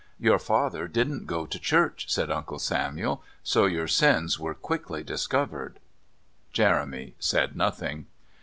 "Your father didn't go to church," said Uncle Samuel. "So your sins were quickly discovered." Jeremy said nothing.